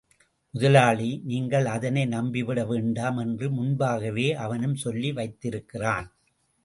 முதலாளி, நீங்கள் அதனை நம்பிவிட வேண்டாம் என்று முன்பாகவே அவனும் சொல்லி வைத்திருக்கிறான்.